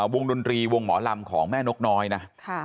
วงดนตรีวงหมอลำของแม่นกน้อยนะ